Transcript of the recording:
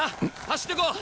走ってこう！